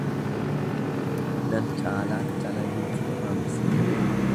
Nan caalaan calaliiti nama hambisa.